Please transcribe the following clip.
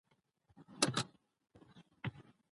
علم پر نارينه او ښځه دواړو فرض دی.